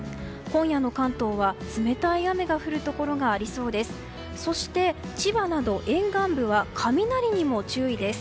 今夜の関東は、冷たい雨が降るところがありそうです。